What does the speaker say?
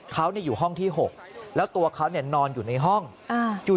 เขาเนี่ยอยู่ห้องที่หกแล้วตัวเขาเนี่ยนอนอยู่ในห้องอ่า